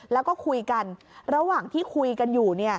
แล้วก็คุยกันระหว่างที่คุยกันอยู่